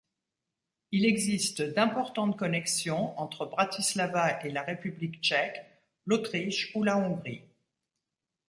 Il existe d'importantes connexions entre Bratislava et la République tchèque, l'Autriche ou la Hongrie.